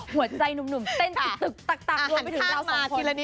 หัวใจหนุ่มเต้นตึกตักรวมไปถึงเราสองคน